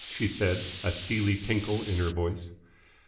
she said, a steely tinkle in her voice.